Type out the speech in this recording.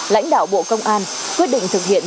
lãnh đạo bộ công an quyết định thực hiện